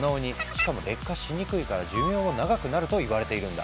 しかも劣化しにくいから寿命も長くなるといわれているんだ。